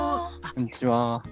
こんにちは。